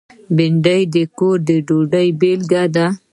بېنډۍ د کورني ډوډۍ بېلګه ده